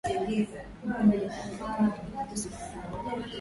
Mkojo kugeuka rangi nyeusi na kunuka